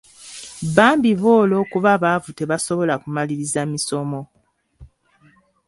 Bambi bo olw'okuba baavu tebasobola kumaliriza misomo.